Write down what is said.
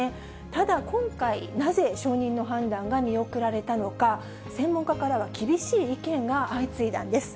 ただ、今回なぜ承認の判断が見送られたのか、専門家からは厳しい意見が相次いだんです。